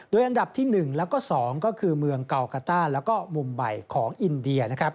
โดยอันดับที่๑และ๒ก็คือเมืองเกาคาต้าและมุมใบของอินเดีย